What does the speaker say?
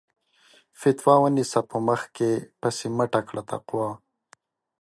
فَتوا ونيسه په مخ کې پسې مٔټه کړه تقوا